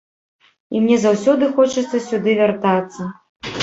І мне заўсёды хочацца сюды вяртацца.